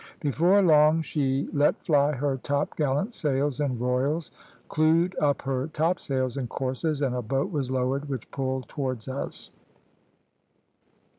Before long she let fly her topgallant sails and royals, clewed up her topsails and courses, and a boat was lowered, which pulled towards us.